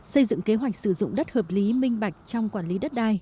xây dựng kế hoạch sử dụng đất hợp lý minh bạch trong quản lý đất đai